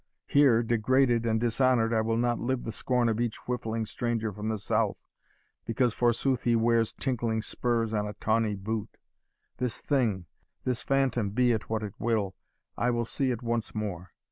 Here, degraded and dishonoured, I will not live the scorn of each whiffling stranger from the South, because, forsooth, he wears tinkling spurs on a tawney boot. This thing this phantom, be it what it will, I will see it once more.